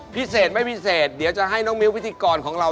พิเศษไม่พิเศษเดี๋ยวจะให้น้องมิ้วพิธีกรของเรา